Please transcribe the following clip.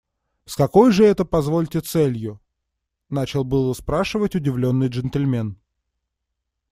С какой же это, позвольте, целью? – начал было спрашивать удивленный джентльмен.